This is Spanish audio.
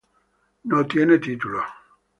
No tiene títulos.